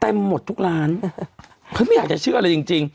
หมดทุกร้านเขาไม่อยากจะเชื่อเลยจริงจริง